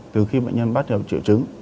từ khi bệnh nhân bắt được triệu chứng